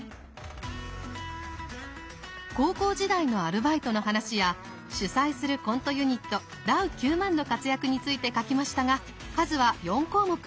高校時代のアルバイトの話や主宰するコントユニットダウ９００００の活躍について書きましたが数は４項目。